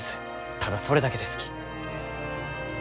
ただそれだけですき。